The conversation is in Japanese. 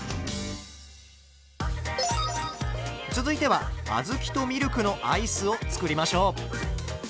続いてはあずきとミルクのアイスを作りましょう。